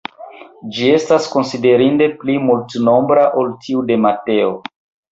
Ĝi estas konsiderinde pli multnombra ol tiu de Mateo.